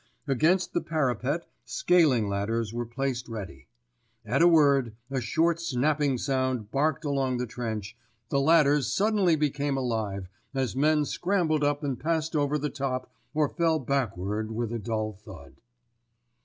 Against the parapet scaling ladders were placed ready. At a word, a short snapping sound barked along the trench, the ladders suddenly became alive, as men scrambled up and passed over the top, or fell backward with a dull thud.